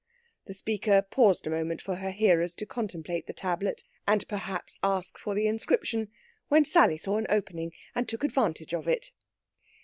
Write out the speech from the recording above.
The speaker paused a moment for her hearers to contemplate the tablet, and perhaps ask for the inscription, when Sally saw an opening, and took advantage of it.